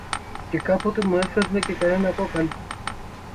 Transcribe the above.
και κάποτε μου έφερνε και κανένα κόκαλο